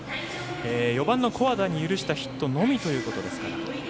４番の古和田に許したヒットのみということになります。